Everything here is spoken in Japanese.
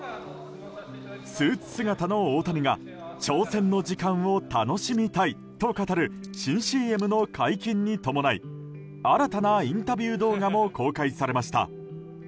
スーツ姿の大谷が挑戦の時間を楽しみたいと語る新ＣＭの解禁に伴い新たなインタビュー動画も公開されました。